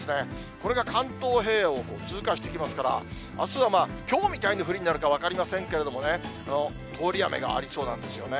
これが関東平野を通過していきますから、あすはきょうみたいな降りになるかは分かりませんけれどもね、通り雨がありそうなんですよね。